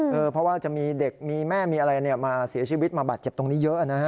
เพราะว่าจะมีเด็กมีแม่มีอะไรมาเสียชีวิตมาบาดเจ็บตรงนี้เยอะนะฮะ